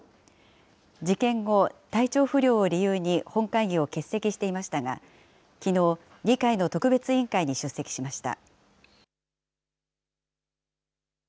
事件後、体調不良を理由に本会議を欠席していましたが、きのう、議会の特別委員会に出席しました。